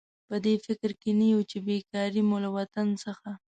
په دې فکر کې نه یو چې بېکاري مو له وطن څخه.